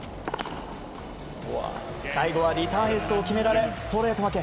最後はリターンエースを決められストレート負け。